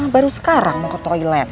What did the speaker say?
baru sekarang mau ke toilet